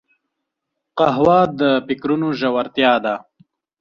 قهوه د فکرونو ژورتیا ده